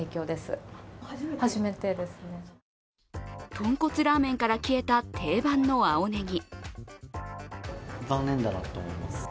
とんこつラーメンから消えた定番の青ねぎ。